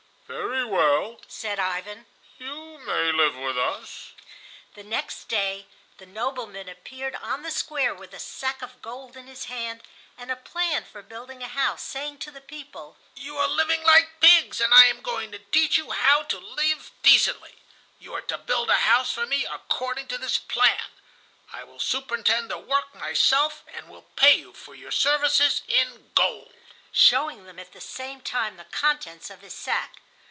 "Very well," said Ivan; "you may live with us." The next day the "nobleman" appeared on the Square with a sack of gold in his hand and a plan for building a house, saying to the people: "You are living like pigs, and I am going to teach you how to live decently. You are to build a house for me according to this plan. I will superintend the work myself, and will pay you for your services in gold," showing them at the same time the contents of his sack.